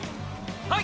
はい！